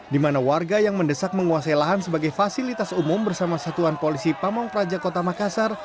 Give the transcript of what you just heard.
di mana warga yang mendesak menguasai lahan sebagai fasilitas umum bersama satuan polisi pamung praja kota makassar